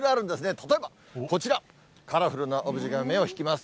例えばこちら、カラフルなオブジェが目を引きます。